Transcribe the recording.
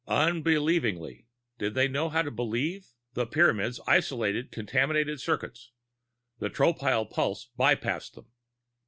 Unbelievingly (did they know how to "believe"?), the Pyramids isolated contaminated circuits; the Tropile pulse bypassed them.